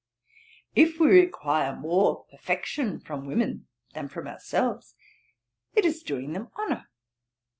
If we require more perfection from women than from ourselves, it is doing them honour.